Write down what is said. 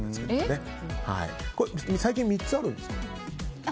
細菌３つあるんですか？